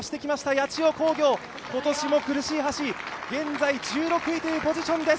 八千代工業、今年も苦しい走り、現在１６位というポジションです。